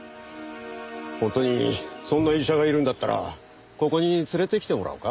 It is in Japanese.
本当にそんな医者がいるんだったらここに連れてきてもらおうか。